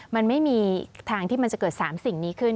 มันไม่มีทางที่มันจะเกิด๓สิ่งนี้ขึ้น